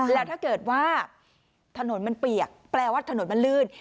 แล้วถ้าเกิดว่าถนนมันเปียกแปลว่าถนนมันลื่น